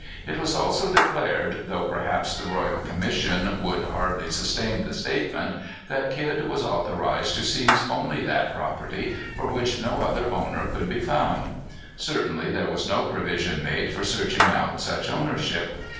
It was also declared, though perhaps the royal commission would hardly sustain the statement, that Kidd was authorized to seize only that property for which no other owner could be found. Certainly there was no provision made for searching out such ownership.